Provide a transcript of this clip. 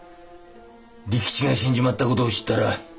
利吉が死んじまった事を知ったら。